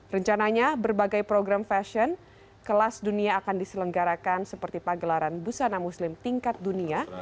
rencananya berbagai program fashion kelas dunia akan diselenggarakan seperti pagelaran busana muslim tingkat dunia